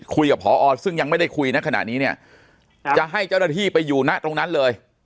ผอซึ่งยังไม่ได้คุยนะขณะนี้เนี่ยจะให้เจ้าหน้าที่ไปอยู่ณตรงนั้นเลย